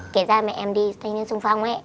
kể ra mẹ em đi thanh niên sung phong ấy